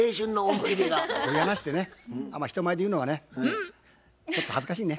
こういう話ってねあんま人前で言うのはねちょっと恥ずかしいね。